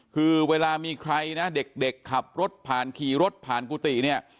คือเวลามีใครนะเด็กขับรถผ่านขี่รถผ่านกุฏิเนี่ย